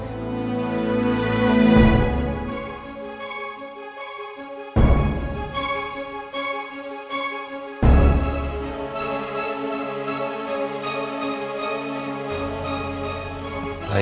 bagaimana kalau saya mencintai riri